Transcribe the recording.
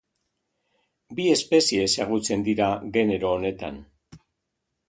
Bi espezie ezagutzen dira genero honetan.